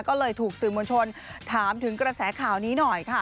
ก็เลยถูกสื่อมวลชนถามถึงกระแสข่าวนี้หน่อยค่ะ